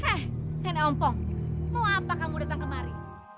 heh nenek om pong mau apa kamu datang kemari